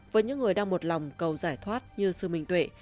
với những người đang một lòng cầu giải thoát như sư minh tuệ